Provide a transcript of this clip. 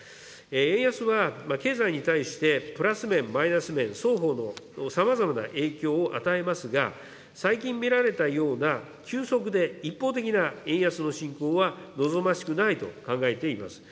円安は経済に対してプラス面、マイナス面、双方のさまざまな影響を与えますが、最近見られたような急速で一方的な円安の進行は望ましくないと考えています。